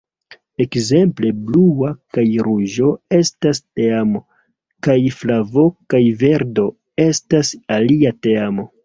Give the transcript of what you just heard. Ekzemple Blua kaj Ruĝo estas teamo, kaj Flavo kaj Verdo estas alia teamo.